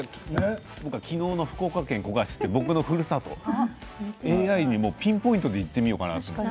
昨日、福岡県古賀市って僕のふるさとＡＩにピンポイントでいってみようかなって。